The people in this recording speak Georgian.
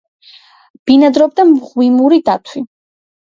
ბინადრობდა მღვიმური დათვი.